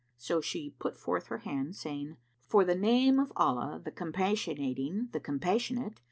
So she put forth her hand, saying, "For the name of Allah the Compassionating, the Compassionate!"